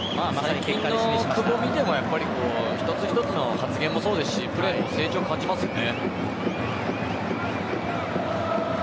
最近の久保を見ても一つ一つの発言もそうですしプレーにも成長を感じますよね。